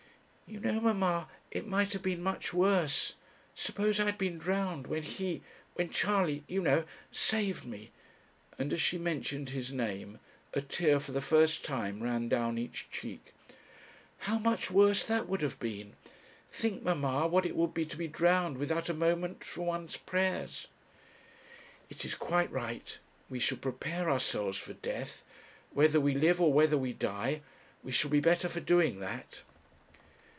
'You know, mamma, it might have been much worse; suppose I had been drowned, when he, when Charley, you know, saved me;' and as she mentioned his name a tear for the first time ran down each cheek; 'how much worse that would have been! think, mamma, what it would be to be drowned without a moment for one's prayers.' 'It is quite right we should prepare ourselves for death. Whether we live, or whether we die, we shall be better for doing that.'